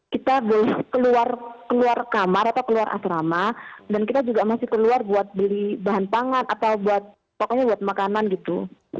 kita keluar kamar atau keluar asrama dan kita juga masih keluar buat beli bahan pangan atau buat pokoknya buat makanan gitu